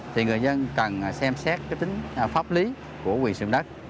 thì người dân cần xem xét tính pháp lý của quyền sử dụng đất